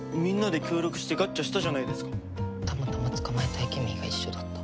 たまたま捕まえたいケミーが一緒だった。